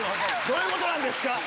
どういうことなんですか？